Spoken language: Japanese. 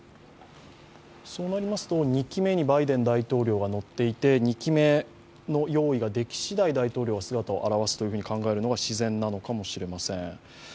そうなりますと、２機目のバイデン大統領が乗っていて、２機目の用意ができしだい、大統領は姿を現すと考える方が自然なのかもしれません。